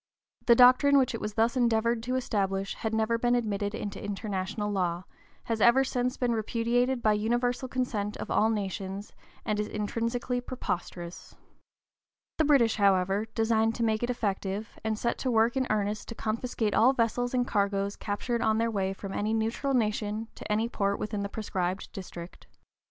The doctrine which it was thus endeavored to establish had never been admitted into international law, has ever since been repudiated by universal consent of all nations, and is intrinsically preposterous. The British, however, designed to make it effective, and set to work in earnest to confiscate all vessels and cargoes captured on their way from any neutral nation to any port within the proscribed district.